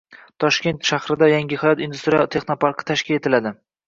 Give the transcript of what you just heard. Toshkent shahrida Yangihayot industrial texnoparki tashkil etiladi